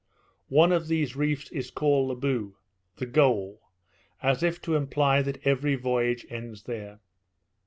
One of these reefs is called Le But, the goal, as if to imply that every voyage ends there.